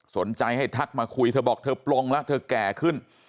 สนใจให้ทักมาคุยเธอบอกเธอปลงแล้วเธอแก่ขึ้น